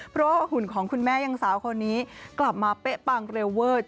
เพราะว่าหุ่นของคุณแม่ยังสาวคนนี้กลับมาเป๊ะปังเร็วเวอร์